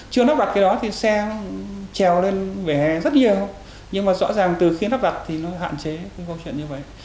chưa lắp đặt cái đó thì xe trèo lên vỉa hè rất nhiều nhưng mà rõ ràng từ khi lắp đặt thì nó hạn chế cái câu chuyện như vậy